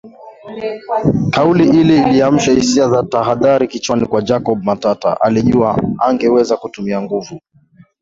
Kauli ile iliamsha hisia za tahadhari kichwani kwa jacob Matata alijua angeweza kutumia nguvu